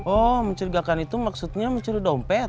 oh mencurigakan itu maksudnya mencuri dompet